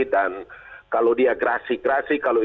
dan kalau dia gerasi gerasi